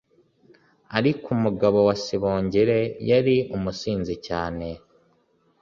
ariko umugabo wa sibongile yari umusinzi cyane